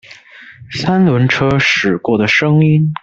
三輪車駛過的聲音